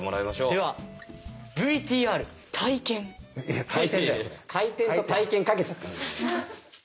ではＶＴＲ「回転」と「体験」かけちゃった。